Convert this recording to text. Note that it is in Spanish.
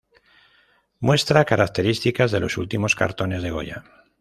Muestra características de los últimos cartones de Goya.